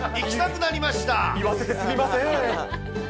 言わせてすみません。